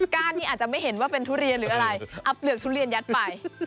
ก้านนี้อาจจะไม่เห็นว่าเป็นทุเรียนหรืออะไรเอาเปลือกทุเรียนยัดไป